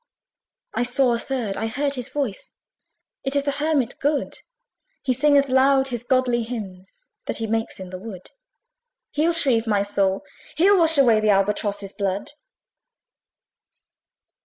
I saw a third I heard his voice: It is the Hermit good! He singeth loud his godly hymns That he makes in the wood. He'll shrieve my soul, he'll wash away The Albatross's blood.